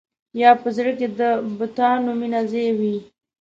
یا په زړه کې د بتانو مینه ځای وي.